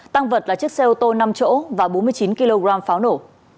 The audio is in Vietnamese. tăng vật là chiếc xe ô tô năm chỗ và bốn mươi chín kg pháo nổ